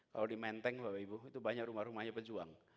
kalau di menteng bapak ibu itu banyak rumah rumahnya pejuang